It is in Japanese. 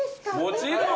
もちろん。